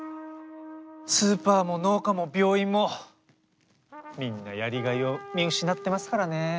スーパーも農家も病院もみんなやりがいを見失ってますからね。